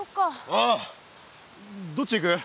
ああどっち行く？